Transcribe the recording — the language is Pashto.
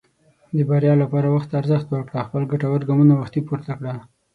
د بریا لپاره وخت ته ارزښت ورکړه، او خپل ګټور ګامونه وختي پورته کړه.